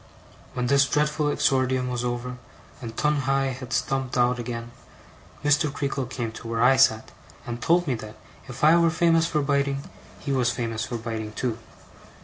When this dreadful exordium was over, and Tungay had stumped out again, Mr. Creakle came to where I sat, and told me that if I were famous for biting, he was famous for biting, too.